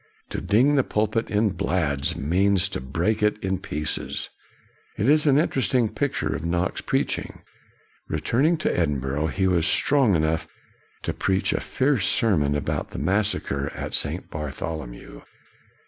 '' To " ding the pulpit in blads ' means to break it in pieces. It is an interesting picture of Knox preaching. Returning to Edinburgh, he was strong enough to preach a fierce sermon about the Massacre of St. Bartholomew.